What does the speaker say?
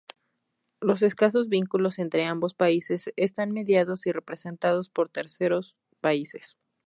Los escasos vínculos entre ambos países están mediados y representados por terceros países.